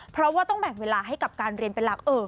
เพราะว่าต้องแบ่งเวลาให้กับการเรียนเป็นหลัก